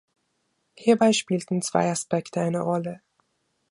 Hierbei spielten zwei Aspekte eine Rolle.